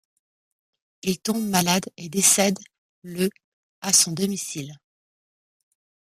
Il tombe malade et décède le à son domicile.